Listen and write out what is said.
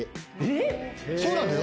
そうなんだよ。